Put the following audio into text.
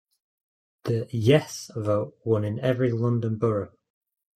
The 'Yes' vote won in every London Borough.